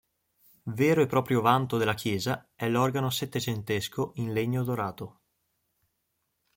Vero e proprio vanto della chiesa è l'organo settecentesco in legno dorato.